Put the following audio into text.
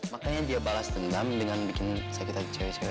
makanya dia balas dendam dengan bikin sakit lagi cewek cewek